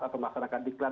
atau masyarakat diklat